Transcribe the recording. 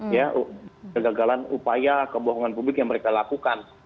ya kegagalan upaya kebohongan publik yang mereka lakukan